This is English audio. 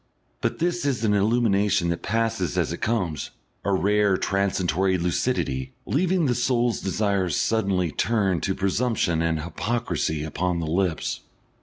But this is an illumination that passes as it comes, a rare transitory lucidity, leaving the soul's desire suddenly turned to presumption and hypocrisy upon the lips.